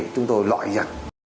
chúng tôi lọi ra